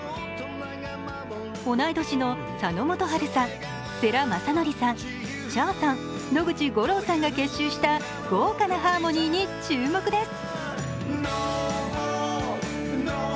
同い年の佐野元春さん、世良公則さん、Ｃｈａｒさん、野口五郎さんが結集した豪華なハーモニーに注目です。